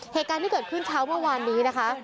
เหตุการณ์ที่เกิดขึ้นเช้าเมื่อวานนี้นะคะ